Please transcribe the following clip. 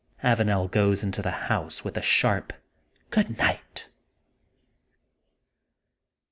*' Avanel goes into the house with a sharp Goodnight.''